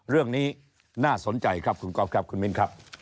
เรื่องนี้น่าสนใจครับคุณก๊อฟครับคุณมิ้นครับ